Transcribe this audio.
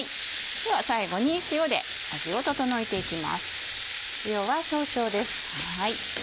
では最後に塩で味を調えていきます。